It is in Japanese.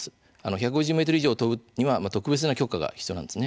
１５０ｍ以上を飛ぶには特別な許可が必要なんです。